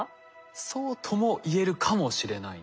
そうとも言えるかもしれないんです。